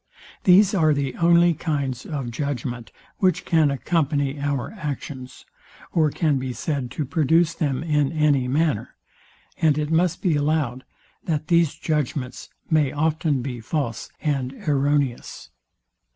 These are the only kinds of judgment, which can accompany our actions, or can be said to produce them in any manner; and it must be allowed, that these judgments may often be false and erroneous.